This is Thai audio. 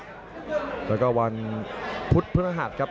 ไทยแลนด์ครับแล้วก็วันพุธพระหาดครับ